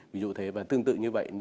ví dụ thế và tương tự như vậy